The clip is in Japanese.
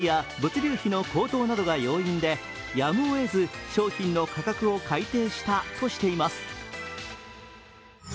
リンガーハットは原材料費や物流費の高騰などが要因でやむをえず商品の価格を改定したとしています。